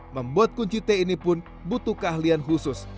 membuat kunci t ini pun butuh keahlian khusus